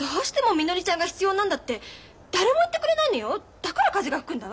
だから風が吹くんだわ。